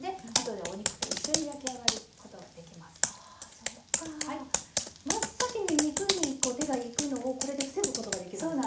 そうか真っ先に肉に手がいくのをこれで防ぐことができるんですね。